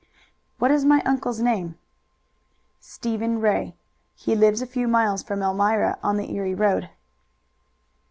"What is my uncle's name?" "Stephen Ray. He lives a few miles from Elmira on the Erie Road."